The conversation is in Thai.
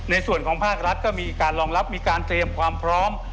ในส่วนของภาครัฐก็มีการรองรับมีการเตรียมความพร้อม